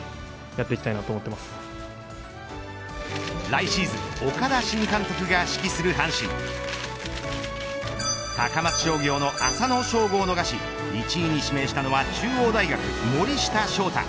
来シーズン、岡田新監督が指揮する阪神高松商業の浅野翔吾を逃し１位に指名したのは中央大学、森下翔太。